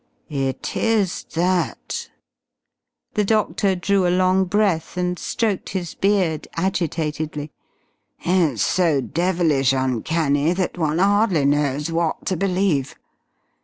"It is that." The doctor drew a long breath and stroked his beard agitatedly. "It's so devilish uncanny that one hardly knows what to believe.